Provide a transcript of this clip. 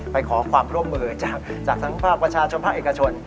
ขอความร่วมมือจากทั้งภาคประชาชนภาคเอกชน